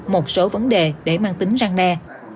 một số vấn đề để mang tính răng đe